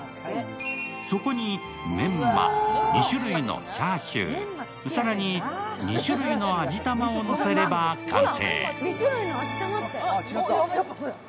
そこにメンマ、２種類のチャーシュー、更に２種類の味玉をのせれば完成。